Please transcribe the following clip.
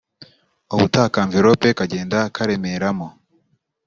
ubutaha ka Envelope kagenda karemeramo”